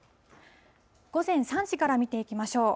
午前３時から見ていきましょう。